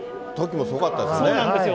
そうなんですよ。